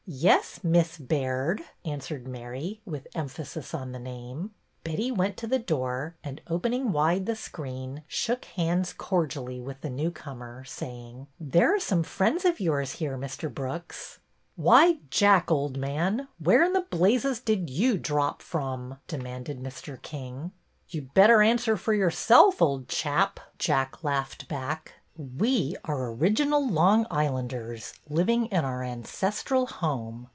Yes, Miss Baird," answered Mary, with em phasis on the name. Betty went to the door, and opening wide the screen, shook hands cordially with the newcomer, saying :'' There are some friends of yours here, Mr. Brooks." Why, Jack, old man, where in blazes did you drop from? " demanded Mr. King. '' You 'd better answer for yourself, old chap," 126 BETTY BAIRD'S VENTURES Jack laughed back. ''We are original Long Islanders, living in our ancestral home.